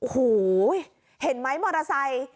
หูเห็นไหมมอเตอร์ไซค์